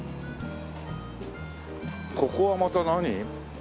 ここはまた何？